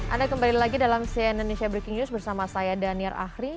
anda kembali lagi dalam cn indonesia breaking news bersama saya daniar ahri